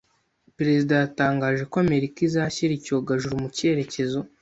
Perezida yatangaje ko Amerika izashyira icyogajuru mu cyerekezo.